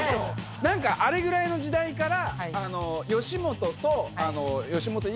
何かあれぐらいの時代から。